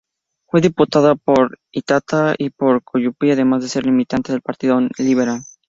Fue diputado por Itata y por Collipulli además de ser militante del Partido Liberal.